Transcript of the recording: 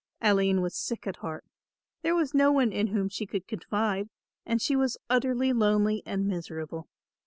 Aline was sick at heart, there was no one in whom she could confide and she was utterly lonely and miserable.